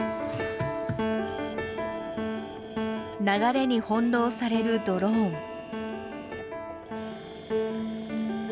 流れに翻弄されるドローン。